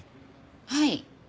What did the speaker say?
はい。